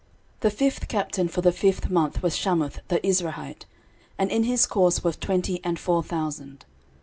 13:027:008 The fifth captain for the fifth month was Shamhuth the Izrahite: and in his course were twenty and four thousand.